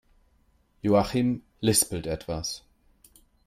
Joachim lispelt etwas.